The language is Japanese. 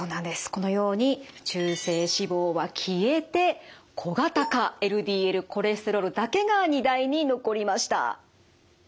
このように中性脂肪は消えて小型化ＬＤＬコレステロールだけが荷台に残りました。